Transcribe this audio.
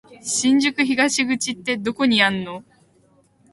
新宿東口ってどこにあんの？